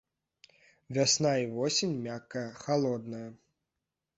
Вясна і восень мяккая халодная.